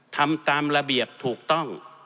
ทำตามระเบียบถูกต้อง